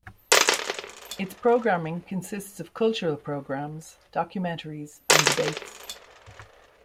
Its programming consists of cultural programmes, documentaries and debates.